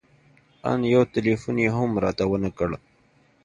ان يو ټېلفون يې هم راته ونه کړ.